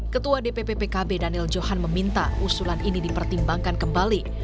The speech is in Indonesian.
ketua dpp pkb daniel johan meminta usulan ini dipertimbangkan kembali